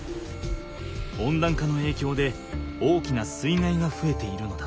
温暖化のえいきょうで大きな水害がふえているのだ。